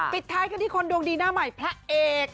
ปิดท้ายกันที่คนดวงดีหน้าใหม่พระเอก